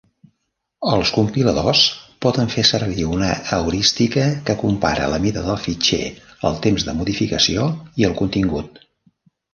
Els compiladors poden fer servir una heurística que compara la mida del fitxer, el temps de modificació i el contingut.